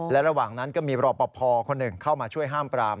และระหว่างนั้นก็มีรอปภคนหนึ่งเข้ามาช่วยห้ามปราม